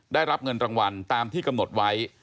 ได้รับเงินรางวัลตามที่กำหนดไว้